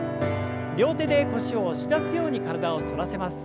両手で腰を押し出すように体を反らせます。